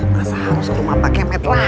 masa harus kurung mata kemetollenya